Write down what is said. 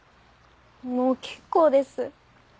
もう結構です。